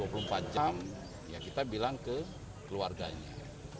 dua puluh empat jam ya kita bilang ke keluarganya